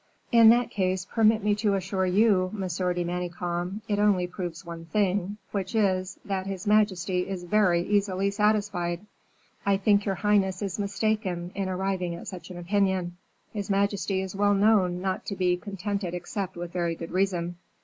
"In that case, permit me to assure you, Monsieur de Manicamp, it only proves one thing, which is, that his majesty is very easily satisfied." "I think your highness is mistaken in arriving at such an opinion; his majesty is well known not to be contented except with very good reason."